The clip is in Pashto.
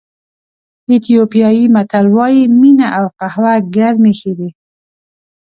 ایتیوپیایي متل وایي مینه او قهوه ګرمې ښې دي.